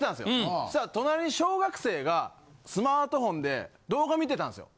そしたら隣に小学生がスマートフォンで動画見てたんですよ。